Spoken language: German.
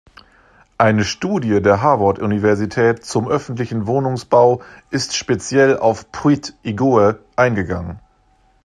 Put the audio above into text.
Eine Studie der Harvard-Universität zum öffentlichen Wohnungsbau ist speziell auf Pruitt-Igoe eingegangen.